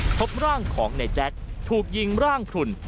พบร่างของในแจ๊คถูกยิงร่างพลุน